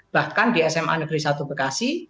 bahkan di sma negeri satu bekasi